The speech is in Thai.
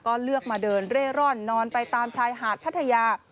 ก็เลือกมาเดินเร่ร่อนนอนไปตามชายหาดพัทยา